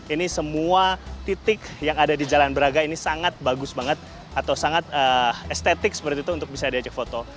ini semua titik yang ada di jalan braga ini sangat bagus banget atau sangat estetik seperti itu untuk bisa diajak foto